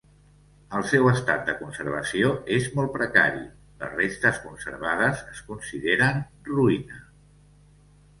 El seu estat de conservació és molt precari; les restes conservades es consideren ruïna.